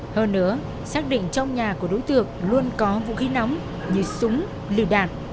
hơn nữa xác định trong nhà của đối tượng luôn có vũ khí nóng như súng lựu đạn